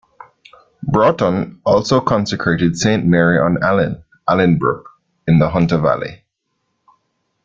Broughton also consecrated Saint Mary on Allyn, Allynbrooke, in the Hunter Valley.